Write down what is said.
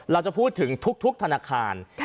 เราจะพูดถึงทุกธนาคาร